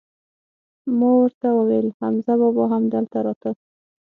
ما ور ته وویل: حمزه بابا هم دلته راته؟